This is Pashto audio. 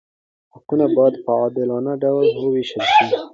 حقونه باید په عادلانه ډول وویشل شي.